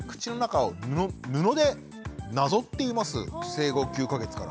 生後９か月から。